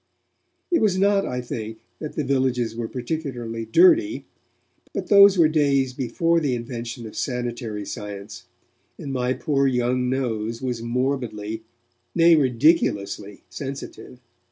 It was not, I think, that the villagers were particularly dirty, but those were days before the invention of sanitary science, and my poor young nose was morbidly, nay ridiculously sensitive.